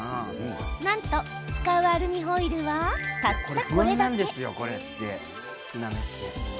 なんと使うアルミホイルはたったこれだけ。